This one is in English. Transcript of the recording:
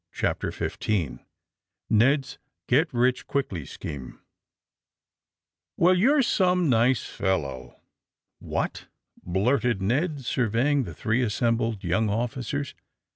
CHAPTEE XV KED^S GET EICH QUICKLY SCHEME ELL, you^re some nice fellow! What?" blurted ISTed, surveying the three assembled young officers.